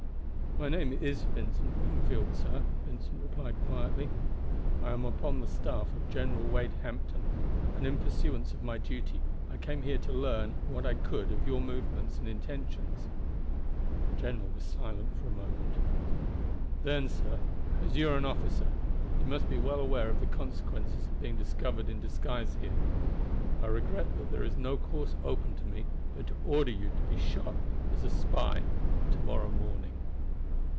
"My name is Vincent Wingfield, sir," Vincent replied quietly. "I am upon the staff of General Wade Hampton, and in pursuance of my duty I came here to learn what I could of your movements and intentions." The general was silent for a moment. "Then, sir, as you are an officer, you must be well aware of the consequence of being discovered in disguise here. I regret that there is no course open to me but to order you to be shot as a spy to morrow morning."